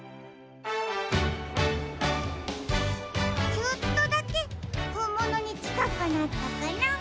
ちょっとだけほんものにちかくなったかな。